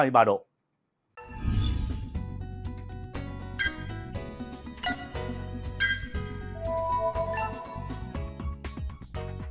nhiệt độ cao nhất trong kỉ recognized